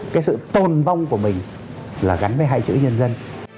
cái sự tồn vong của mình là gắn với hai chữ nhân dân